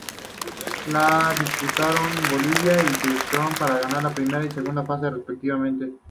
La disputaron Bolívar y The Strongest por ganar la Primera y Segunda Fase respectivamente.